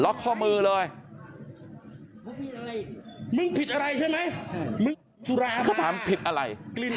ล็อคข้อมือเลยเค้าถามผิดอะไร